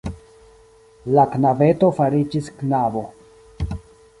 La knabeto fariĝis knabo...